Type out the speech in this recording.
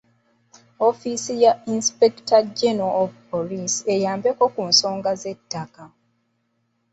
Ofiisi ya Inspector General of Police eyambeko ku nsonga z'ettaka.